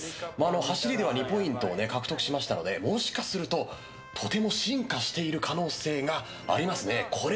走りでは２ポイントを獲得しましたのでもしかすると、とても進化している可能性がありますね。